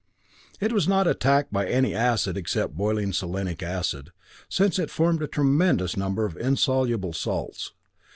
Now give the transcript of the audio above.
It was not attacked by any acid except boiling selenic acid, since it formed a tremendous number of insoluble salts.